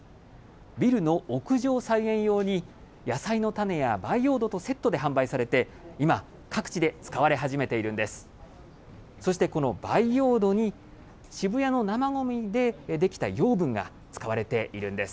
ビルの屋上菜園用に、野菜の種や培養土とセットで販売されて、今、各地で使われ始めているんです。